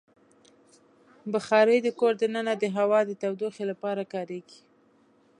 بخاري د کور دننه د هوا د تودوخې لپاره کارېږي.